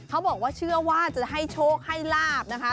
เขาบอกว่าเชื่อว่าจะให้โชคให้ลาบนะคะ